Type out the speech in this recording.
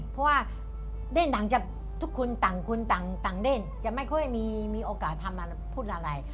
เพราะว่าเล่นหนังจะทุกคนต่างเล่นจะไม่เคยมีโอกาสพูดอะไร